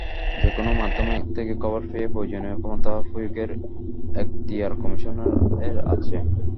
যেকোনো মাধ্যম থেকে খবর পেয়ে প্রয়োজনীয় ক্ষমতা প্রয়োগের এখতিয়ার কমিশনের আছে।